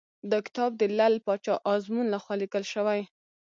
دا کتاب د لعل پاچا ازمون لخوا لیکل شوی .